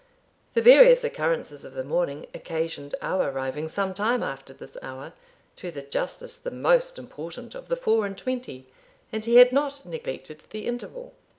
The various occurrences of the morning occasioned our arriving some time after this hour, to the Justice the most important of the four and twenty, and he had not neglected the interval.